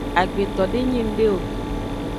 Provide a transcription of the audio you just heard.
Agbeto de nyi ngde o.